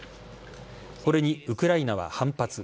これに、ウクライナは反発。